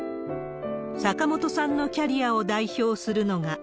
坂本さんのキャリアを代表するのが。